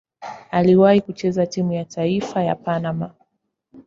Aliwahi kucheza timu ya taifa ya Panama.